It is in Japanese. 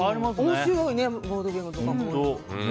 面白いね、ボードゲームとか。